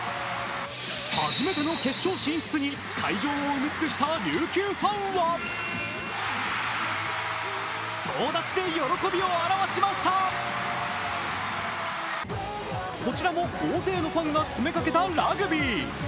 初めての決勝進出に会場を埋め尽くした琉球ファンは、こちらも大勢のファンが詰めかけたラグビー。